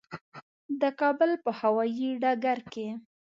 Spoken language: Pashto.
د کابل په هوایي ډګر کې.